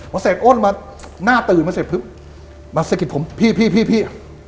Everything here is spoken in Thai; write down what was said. พอเสร็จอ้อนมาหน้าตื่นมาสะกิดผมพี่